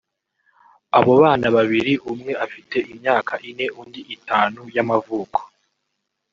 Abo bana babiri umwe afite imyaka ine undi itanu y’amavuko